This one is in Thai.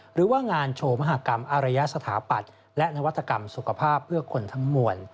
หรือว่างานโชว์มหากรรมอารยสถาปัตย์และนวัตกรรมสุขภาพเพื่อคนทั้งมวล